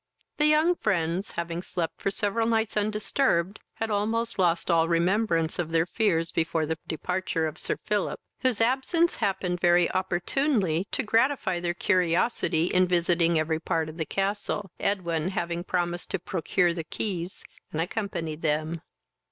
The young friends, having slept for several nights undisturbed, had almost lost all remembrance of their fears before the departure of Sir Philip, whose absence happened very opportunely to gratify their curiosity in visiting every part of the castle, Edwin having promised to procure the keys, and accompany them.